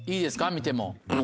見ても。